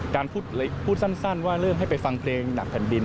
การพูดสั้นว่าเริ่มให้ไปฟังเพลงหนักแผ่นดิน